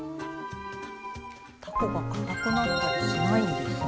たこがかたくなったりしないんですね。